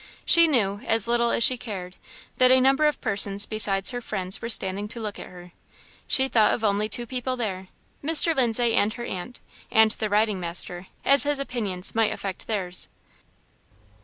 She knew, as little as she cared, that a number of persons besides her friends were standing to look at her. She thought of only two people there, Mr. Lindsay and her aunt; and the riding master, as his opinions might affect theirs.